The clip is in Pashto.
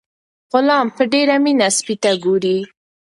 غلام په ډیره مینه سپي ته ګوري.